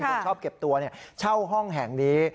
คนชอบเก็บตัวเช่าห้องแห่งนี้